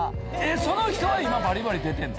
その人は今バリバリ出てんの？